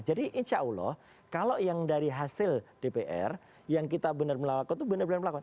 jadi insya allah kalau yang dari hasil dpr yang kita benar benar melakukan tuh benar benar melakukan